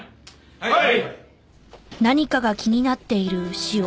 はい！